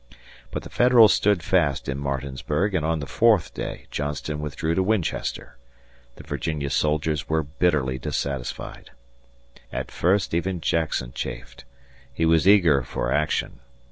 But the Federals stood fast in Martinsburg and on the fourth day Johnston withdrew to Winchester. The Virginia soldiers were bitterly dissatisfied. At first even Jackson chafed. He was eager for action.